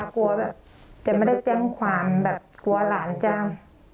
กลัวแบบจะไม่ได้แจ้งความแบบกลัวหลานจ้าง